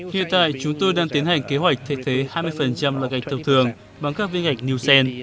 hiện tại chúng tôi đang tiến hành kế hoạch thay thế hai mươi loại gạch thông thường bằng các viên gạch nielsen